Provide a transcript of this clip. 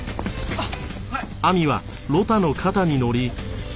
あっ。